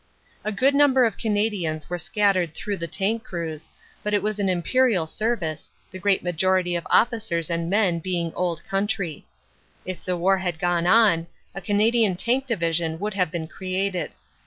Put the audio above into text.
A good number of Canadians were scattered through the tank crews, but it was an Imperial service, the great majority of officers and men being Old Country. If the war had gone on a Canadian Tank Division would have been created.